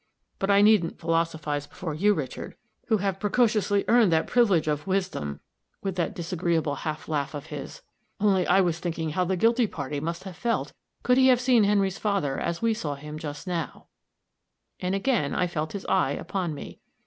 But I needn't philosophize before you, Richard, who have precociously earned that privilege of wisdom" with that disagreeable half laugh of his "only I was thinking how the guilty party must have felt could he have seen Henry's father as we saw him just now," and again I felt his eye upon me.